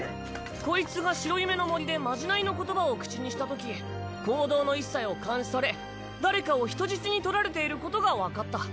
⁉こいつが白夢の森でまじないの言葉を口にしたとき行動の一切を監視され誰かを人質に取られていることが分かった。